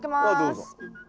どうぞ。